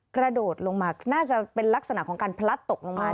กระโดดลงมาน่าจะเป็นลักษณะของการพลัดตกลงมา